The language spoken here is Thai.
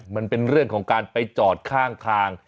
มันเป็นเรื่องของการไปจอดข้างทาง